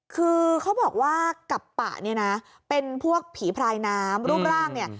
คือเขาบอกว่ากับปะเนี่ยนะเป็นพวกผีพรายน้ำรูปร่างเนี่ย